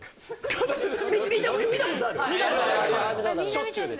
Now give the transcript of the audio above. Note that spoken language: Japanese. しょっちゅうです